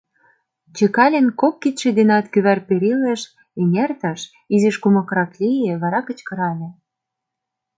Чекалин кок кидше денат кӱвар перилеш эҥертыш, изиш кумыкрак лие, вара кычкырале: